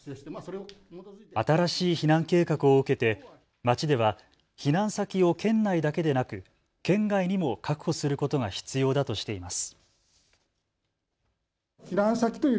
新しい避難計画を受けて町では避難先を県内だけでなく県外にもを確保することが必要だとしています。